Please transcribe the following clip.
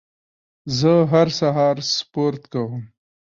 زه هر سهار سپورت کوم.